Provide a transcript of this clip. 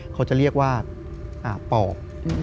เขาจะเรียกว่าปอบ